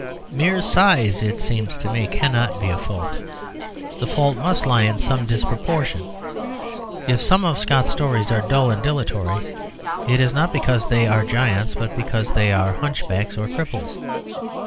Mere size, it seems to me, cannot be a fault. The fault must lie in some disproportion. If some of Scott's stories are dull and dilatory, it is not because they are giants, but because they are hunchbacks or cripples.